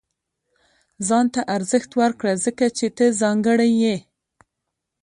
• ځان ته ارزښت ورکړه، ځکه چې ته ځانګړی یې.